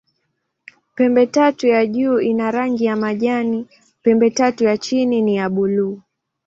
Pembetatu ya juu ina rangi ya majani, pembetatu ya chini ni ya buluu.